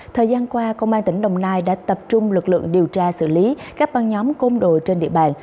thời gian qua công an tỉnh đồng nai đã tập trung lực lượng điều tra xử lý các ban nhóm công đội trên địa bàn